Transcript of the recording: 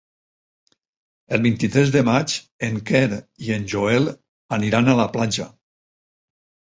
El vint-i-tres de maig en Quer i en Joel aniran a la platja.